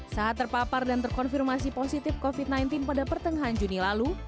saat terpapar dan terkonfirmasi positif covid sembilan belas pada pertengahan juni lalu